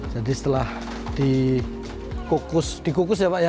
jadi setelah dikukus ya pak ya